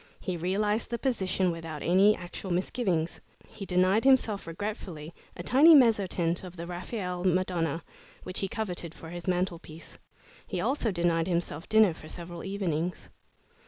He realized the position without any actual misgivings. He denied himself regretfully a tiny mezzotint of the Raphael "Madonna," which he coveted for his mantelpiece. He also denied himself dinner for several evenings.